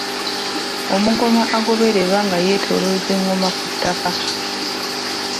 Omugoma agobererwa nga yeetoolooza engoma ku ttaka.